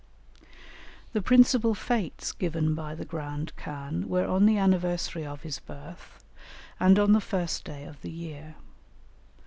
The principal fêtes given by the grand khan were on the anniversary of his birth, and on the first day of the year.